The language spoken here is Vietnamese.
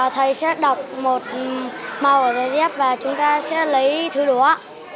thầy sẽ đọc một màu dây dép và chúng ta sẽ lấy thứ đồ